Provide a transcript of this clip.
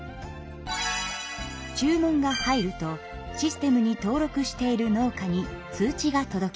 注文が入るとシステムに登録している農家に通知が届きます。